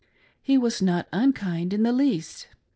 He was not unkind in the least.